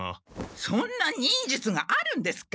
そんな忍術があるんですか？